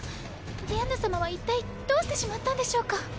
ディアンヌ様は一体どうしてしまったんでしょうか？